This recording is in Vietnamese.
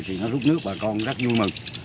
thì nó rút nước bà con rất vui mừng